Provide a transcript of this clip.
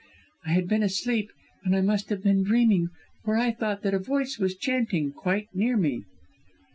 "I had been asleep, and I must have been dreaming, for I thought that a voice was chanting, quite near to me."